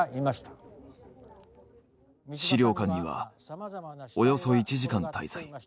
資料館にはおよそ１時間滞在。